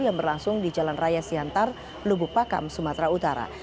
yang berlangsung di jalan raya siantar lubuk pakam sumatera utara